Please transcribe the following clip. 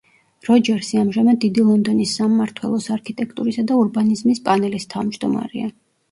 როჯერსი ამჟამად დიდი ლონდონის სამმართველოს არქიტექტურისა და ურბანიზმის პანელის თავმჯდომარეა.